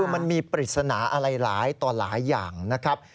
มันมีปริศนาอะไรหลายต่อหลายอย่างนะครับ